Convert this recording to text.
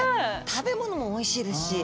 食べ物もおいしいですし。